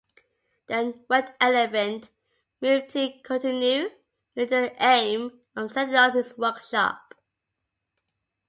Then Wet Elephant moved to Cotonou with the aim of setting up his workshop.